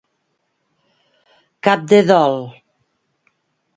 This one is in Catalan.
Cap de dol.